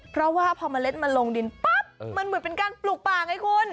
เพราะว่าพอเมล็ดมันลงดินปั๊บมันเหมือนเป็นการปลูกป่าไงคุณ